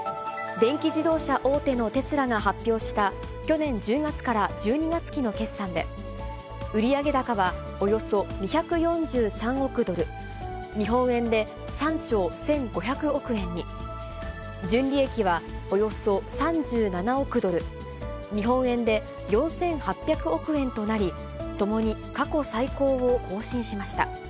電気自動車大手のテスラが発表した、去年１０月から１２月期の決算で、売上高はおよそ２４３億ドル、日本円で３兆１５００億円に、純利益はおよそ３７億ドル、日本円で４８００億円となり、ともに過去最高を更新しました。